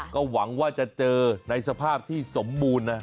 ก็หวังว่าจะเจอในสภาพที่สมบูรณ์นะ